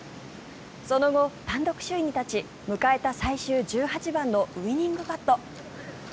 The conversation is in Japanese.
その後、単独首位に立ち迎えた最終１８番のウィニングパット。